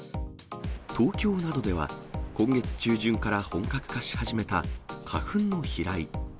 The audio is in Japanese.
東京などでは、今月中旬から本格化し始めた花粉の飛来。